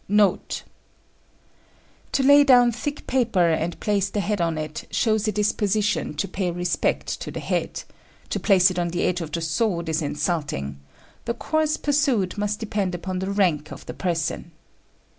NOTE. To lay down thick paper, and place the head on it, shows a disposition to pay respect to the head; to place it on the edge of the sword is insulting: the course pursued must depend upon the rank of the person.